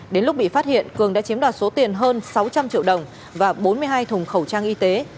đến lúc bị phát hiện cường đã chiếm đoạt số tiền hơn sáu trăm linh triệu đồng và bốn mươi hai thùng khẩu trang y tế